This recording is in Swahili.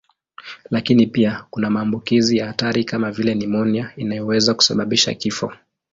Lakini pia kuna maambukizi ya hatari kama vile nimonia inayoweza kusababisha kifo.